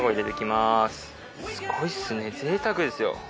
すごいっすねぜいたくですよ。